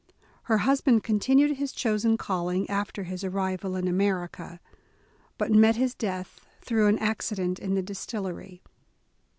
Her husband continued his chosen calling after his ar rival in America, but met his death through an accident in the distillery.